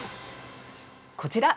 ◆こちら！